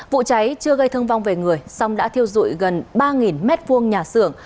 vụ cháy chưa gây thương vong về người song đã thiêu dụi gần ba m hai nhà xưởng